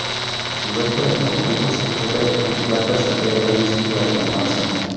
El resto del conjunto se cubre con placas de piedra lisa y argamasa.